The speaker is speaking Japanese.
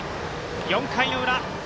４回の裏。